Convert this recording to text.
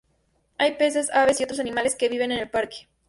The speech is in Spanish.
Hay peces, aves y otros animales que viven en el parque.